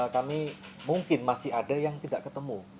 kami mungkin masih ada yang tidak ketemu